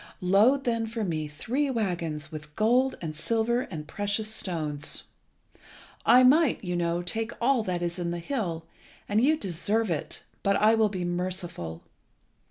Load then for me three waggons with gold and silver and precious stones. I might, you know, take all that is in the hill, and you deserve it; but I will be merciful.